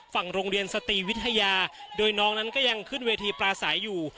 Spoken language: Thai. ฝั่งโรงเรียนสตรีวิทยาโดยน้องนั้นก็ยังขึ้นเวทีปลาสายอยู่